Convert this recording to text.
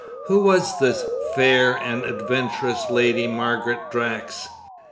Who was the fair and adventurous Lady Margaret Drax?